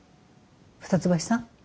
二ツ橋さん